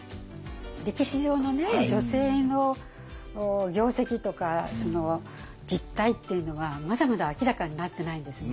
歴史上のね女性の業績とか実態っていうのはまだまだ明らかになってないんですね。